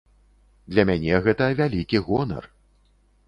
Для мяне гэта вялікі гонар.